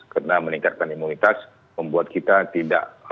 karena meningkatkan imunitas membuat kita tidak